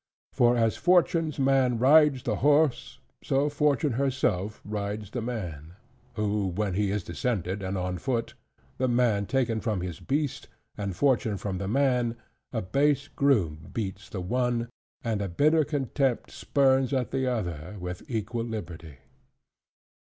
For as Fortune's man rides the horse, so Fortune herself rides the man; who when he is descended and on foot, the man taken from his beast, and Fortune from the man, a base groom beats the one, and a bitter contempt spurns at the other, with equal liberty.